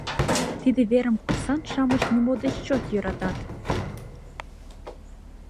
Тиде верым курсант-шамыч нимо деч чот йӧратат.